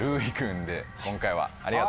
今回はありがとう。